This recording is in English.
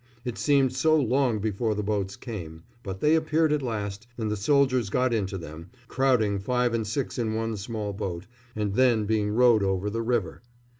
It seemed so long before the boats came; but they appeared at last, and the soldiers got into them, crowding five and six in one small boat, and then being rowed over the river.